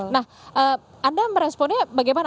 nah anda meresponnya bagaimana